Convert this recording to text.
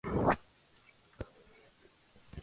Antes de dejar la isla, Walt le da el perro a Shannon.